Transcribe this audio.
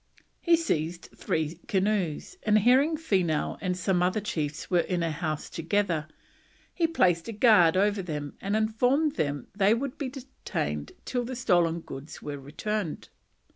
He seized three canoes, and, hearing Feenough and some other chiefs were in a house together, he placed a guard over them and informed them they would be detained till the stolen goods were returned.